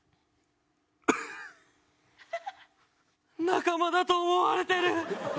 仲間だと思われてる！